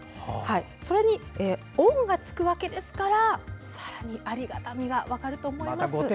それに「御」がつくわけですからさらにありがたみが分かると思います。